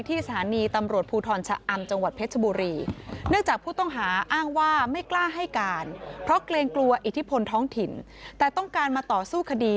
ที่สถานีตำรวจภูทรชะอำจังหวัดเพชรบุรี